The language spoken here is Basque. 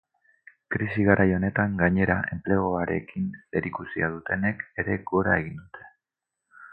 Krisi garai honetan, gainera, enpleguarekin zerikusia dutenek ere gora egin dute.